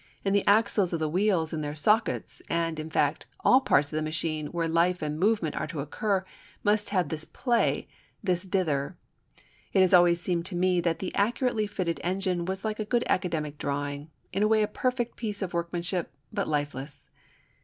And the axles of the wheels in their sockets, and, in fact, all parts of the machine where life and movement are to occur, must have this play, this "dither." It has always seemed to me that the accurately fitting engine was like a good academic drawing, in a way a perfect piece of workmanship, but lifeless.